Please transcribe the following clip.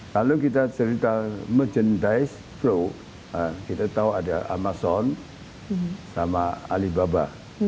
kalau kita cerita merchandise flow kita tahu ada amazon sama alibaba